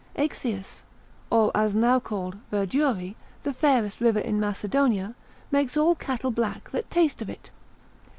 Axius, or as now called Verduri, the fairest river in Macedonia, makes all cattle black that taste of it.